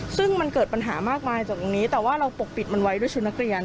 ซึ่งมันเกิดปัญหามากมายจากตรงนี้แต่ว่าเราปกปิดมันไว้ด้วยชุดนักเรียน